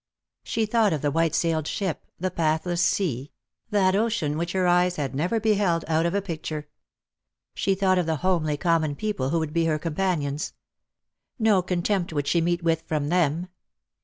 She thought of the white sailed ship, the pathless sea, that ocean which her eyes had never beheld out of a picture. She thought of the homely common people who would be her companions. No contempt would she meet with from them.